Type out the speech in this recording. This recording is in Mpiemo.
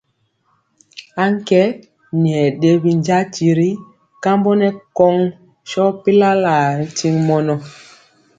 Aŋkɛ nyɛ ɗe binja tiri kambɔ nɛ kɔŋ sɔ pilalaa ri tiŋ mɔnɔ.